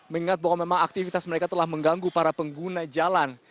mengingat bahwa memang aktivitas mereka telah mengganggu para pengguna jalan